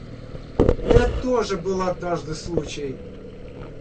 Это тоже был однажды случай.